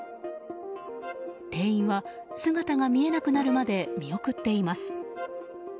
店員は姿が見えなくなるまで見送っています。